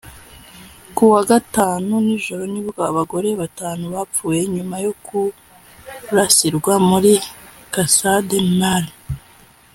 Ku wa Gatanu nijoro nibwo abagore batanu bapfuye nyuma yo kurasirwa muri Cascade Mall